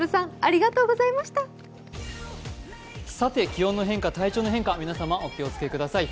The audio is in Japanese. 気温の変化、体調の変化、皆様、お気をつけください。